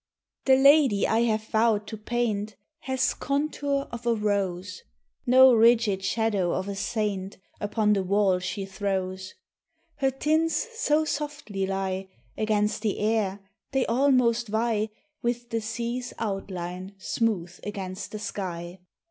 87 THE lady I have vowed to paint Has contour of a rose, No rigid shadow of a saint Upon the wall she throws; Her tints so softly lie Against the air they almost vie With the sea*s outline smooth against the sky.